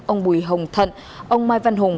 ông bùi hồng thận ông mai văn hùng